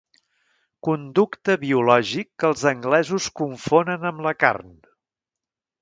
Conducte biològic que els anglesos confonen amb la carn.